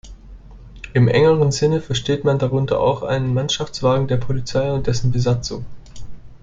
Im engeren Sinne versteht man darunter auch einen Mannschaftswagen der Polizei und dessen Besatzung.